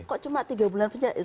kok cuma tiga bulan penjara